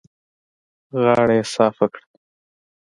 غاړه يې صافه کړه.